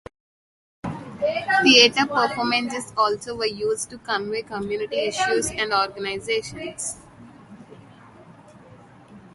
Theater performances also were used to convey community issues and organizations.